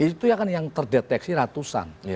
itu yang terdeteksi ratusan